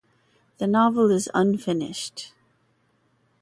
The novel is unfinished.